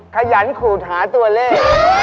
ขยันขูดหาตัวเลข